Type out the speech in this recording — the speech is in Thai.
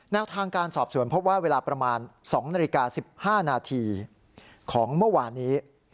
ทางการสอบสวนพบว่าเวลาประมาณ๒นาฬิกา๑๕นาทีของเมื่อวานนี้